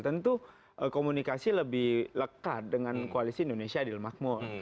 tentu komunikasi lebih lekat dengan koalisi indonesia adil makmur